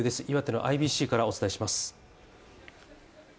岩手のＩＢＣからお伝えします。